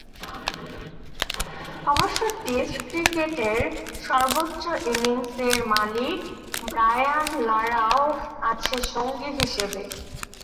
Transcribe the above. অবশ্য টেস্ট ক্রিকেটের সর্বোচ্চ ইনিংসের মালিক ব্রায়ান লারাও আছে সঙ্গী হিসেবে।